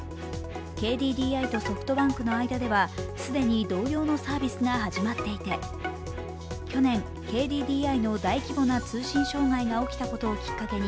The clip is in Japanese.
ＫＤＤＩとソフトバンクの間では既に同様のサービスが始まっていて、去年、ＫＤＤＩの大規模な通信障害が起きたことをきっかけに